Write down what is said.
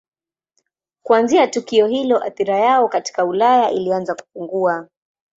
Kuanzia tukio hilo athira yao katika Ulaya ilianza kupungua.